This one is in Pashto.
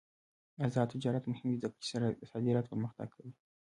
آزاد تجارت مهم دی ځکه چې صادرات پرمختګ کوي.